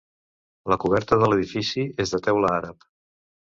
La coberta de l'edifici és de teula àrab.